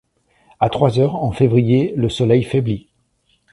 À trois heures, en février, le soleil faiblit.